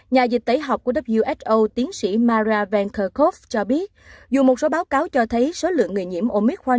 nhà dịch tẩy học của who tiến sĩ mara van kerkhove cho biết dù một số báo cáo cho thấy số lượng người nhiễm omicron